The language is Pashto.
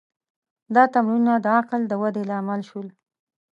دا تمرینونه د عقل د ودې لامل شول.